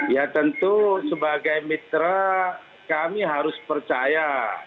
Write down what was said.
ya tentu sebagai mitra kami harus percaya